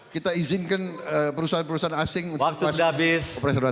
kita izinkan perusahaan perusahaan asing untuk masuk operasional